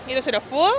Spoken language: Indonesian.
itu sudah full